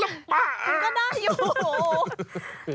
คุณก็ได้อยู่